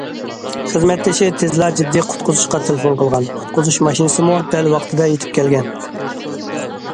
خىزمەتدىشى تېزلا جىددىي قۇتقۇزۇشقا تېلېفون قىلغان، قۇتقۇزۇش ماشىنىسىمۇ دەل ۋاقتىدا يېتىپ كەلگەن.